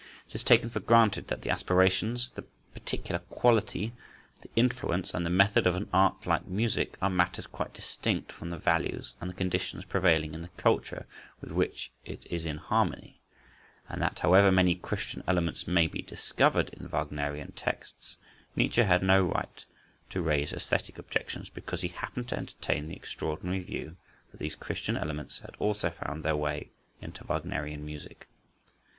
It is taken for granted that the aspirations, the particular quality, the influence, and the method of an art like music, are matters quite distinct from the values and the conditions prevailing in the culture with which it is in harmony, and that however many Christian elements may be discovered in Wagnerian texts, Nietzsche had no right to raise æsthetic objections because he happened to entertain the extraordinary view that these Christian elements had also found their way into Wagnerian music.